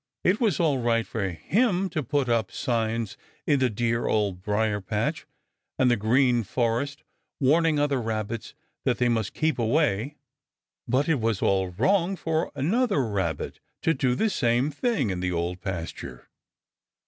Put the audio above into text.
It was all right for him to put up signs in the dear Old Briar patch and the Green Forest, warning other Rabbits that they must keep away, but it was all wrong for another Rabbit to do the same thing in the Old Pasture.